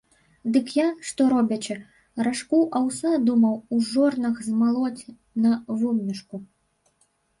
Дык я, што робячы, ражку аўса думаў у жорнах змалоць на вобмешку.